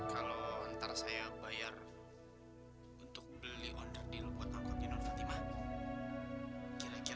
kalau ntar saya bayar untuk beli order di lombok akun fatimah